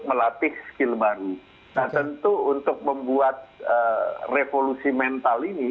melatih skill baru nah tentu untuk membuat revolusi mental ini